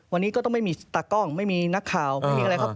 วันนี้ก็ต้องไม่มีสตากล้องไม่มีนักข่าวไม่มีอะไรครับ